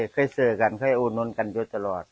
เคยสื่อกันเคยอู๋นุนกันอยู่ตลอด